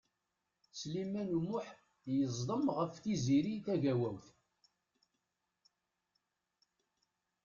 Sliman U Muḥ yeẓdem ɣef Tiziri Tagawawt.